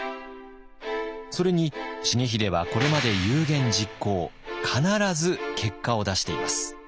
それに重秀はこれまで有言実行必ず結果を出しています。